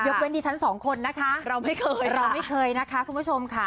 เว้นดิฉันสองคนนะคะเราไม่เคยเราไม่เคยนะคะคุณผู้ชมค่ะ